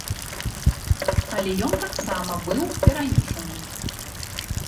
Але ён таксама быў перанесены.